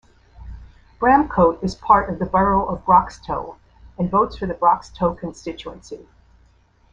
Bramcote is part of the Borough of Broxtowe, and votes for the Broxtowe constituency.